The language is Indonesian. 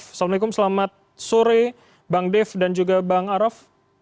assalamualaikum selamat sore bang dev dan juga bang araf